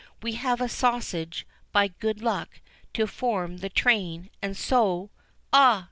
We have a sausage, by good luck, to form the train—and so"— "Ah!"